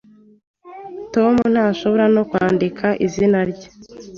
Tom ntashobora no kwandika izina rye.